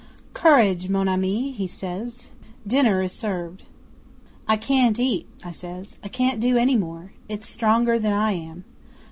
'"Courage, mon ami," he says. "Dinner is served." '"I can't eat," I says. "I can't do any more. It's stronger than I am."